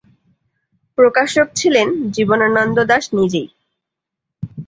প্রকাশক ছিলেন জীবনানন্দ দাশ নিজেই।